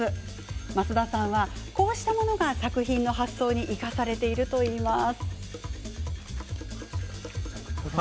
増田さんはこうしたものが作品の発想に生かされているといいます。